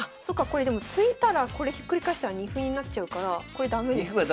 これでも突いたらこれひっくり返したら二歩になっちゃうからこれ駄目ですね。